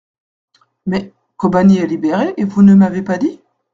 Mais, Kobané est libérée et vous ne m’avez pas dit.